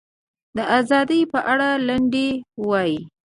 د ازادۍ په اړه لنډۍ ووایي.